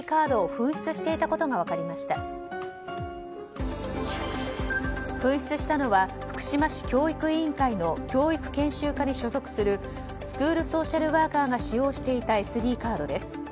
紛失したのは福島市教育委員会の教育研修課に所属するスクールソーシャルワーカーが使用していたＳＤカードです。